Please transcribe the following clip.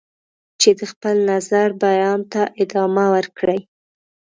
چې د خپل نظر بیان ته ادامه ورکړي.